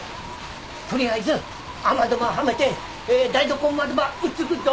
取りあえず雨戸ばはめて台所ん窓ば打っつくっぞ。